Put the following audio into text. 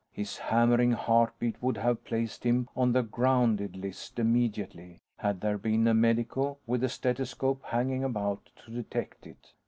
His hammering heartbeat would have placed him on the "grounded" list immediately, had there been a medico with a stethoscope hanging about to detect it.